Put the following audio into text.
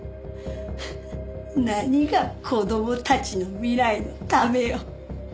何が「子供たちの未来のため」よ。